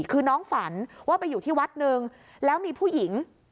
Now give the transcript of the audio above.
คือน้องฝันว่าไปอยู่ที่วัดหนึ่งแล้วมีผู้หญิง